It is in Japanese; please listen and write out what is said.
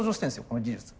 この技術。